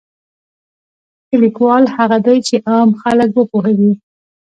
ښه لیکوال هغه دی چې عام خلک وپوهوي.